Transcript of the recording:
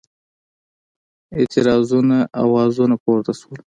اعتراضونو آوازونه پورته شول.